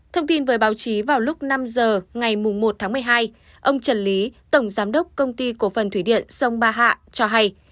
thông tin với báo chí vào lúc năm giờ ngày một tháng một mươi hai ông trần lý tổng giám đốc công ty cổ phần thủy điện sông ba hạ cho hay